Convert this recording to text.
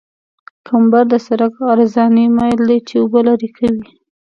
کمبر د سرک عرضاني میل دی چې اوبه لرې کوي